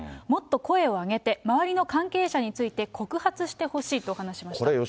もっと声を上げて、周りの関係者について告発してほしいと話していました。